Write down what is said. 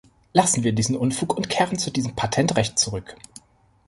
Lassen wir diesen Unfug und kehren wir zu diesem Patentrecht zurück.